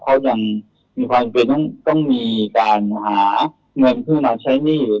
เป็นคนนี้ที่คนยังไม่ครบสัญญาจ้างนะครับ